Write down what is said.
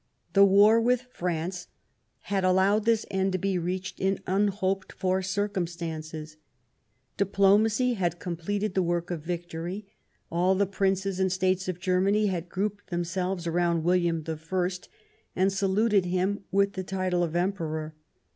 The war with France had allowed this end to be reached in unhoped for circumstances. Diplomacy had com pleted the work of victory ; all the Princes and States of Germany had grouped themselves around William I and saluted him with the title of Emperor.